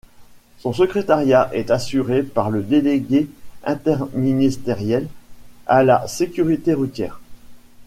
Son secrétariat est assuré par le délégué interministériel à la sécurité routière.